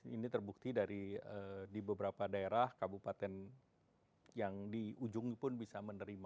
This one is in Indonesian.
ini terbukti dari di beberapa daerah kabupaten yang di ujung pun bisa menerima